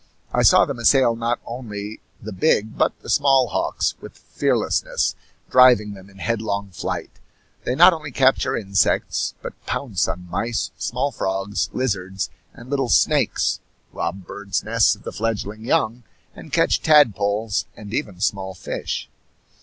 I saw them assail not only the big but the small hawks with fearlessness, driving them in headlong flight. They not only capture insects, but pounce on mice, small frogs, lizards, and little snakes, rob birds' nests of the fledgling young, and catch tadpoles and even small fish.